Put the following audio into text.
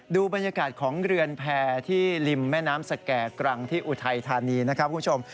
ดูบรรยากาศของเรือนแพรที่ริมแม่น้ำสแก่กรังที่อุทัยธานีนะครับคุณผู้ชม